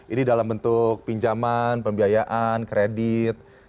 ini dalam bentuk pinjaman pembiayaan kredit